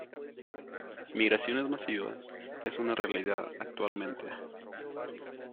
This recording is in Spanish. Migraciones masivas es una realidad actualmente.